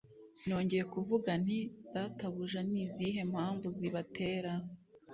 Nongeye kuvuga nti Databuja ni izihe mpamvu zibatera